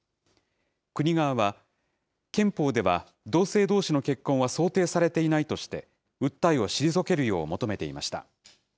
国側は、憲法では同性どうしの結婚は想定されていないとして、訴えを退けるよう求めていました。